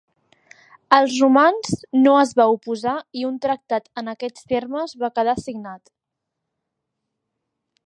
Els romans no es va oposar i un tractat en aquests termes va quedar signat.